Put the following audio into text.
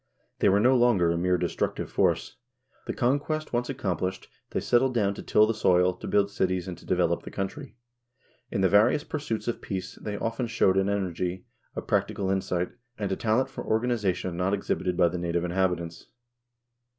They were no longer a mere destructive force. The conquest once accomplished, they settled down to till the soil, to build cities, and to develop the country. In the various pursuits of peace they often showed an energy, a practical insight, and a talent for organization not exhibited by the native inhabitants.